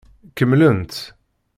Kemmlent.